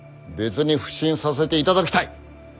別に普請させていただきたい。